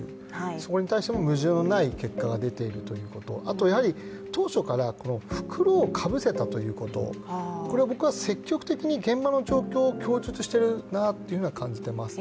そこに対しても矛盾のない結果が出ているということ、あとやはり当初から袋をかぶせたということこれは僕は積極的に現場の状況を供述しているなと感じています。